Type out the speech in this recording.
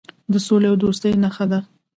د سولې او دوستۍ نښه ده.